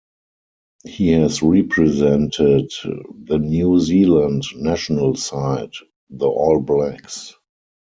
He has represented the New Zealand national side, the All Blacks.